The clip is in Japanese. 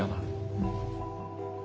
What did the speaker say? うん。